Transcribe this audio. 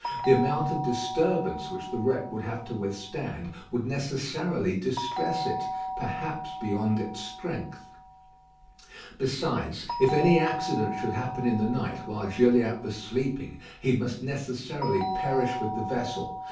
The amount of disturbance which the wreck would have to withstand would necessarily distress it, perhaps beyond its strength. Besides, if any accident should happen in the night while Gilliatt was sleeping, he must necessarily perish with the vessel.